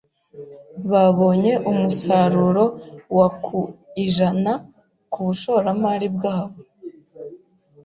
Babonye umusaruro wa ku ijana kubushoramari bwabo.